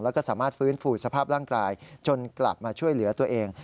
แล้วก็สามารถฟื้นฟูสภาพร่างกายจนกลับมาช่วยเหลือตัวเอง